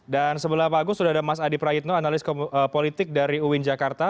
dan sebelah pak agung sudah ada mas adi prayitno analis politik dari uin jakarta